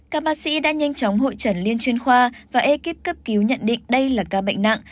các bác sĩ đã nhanh chóng hội trần liên chuyên khoa và ekip cấp cứu nhận định đây là ca bệnh nặng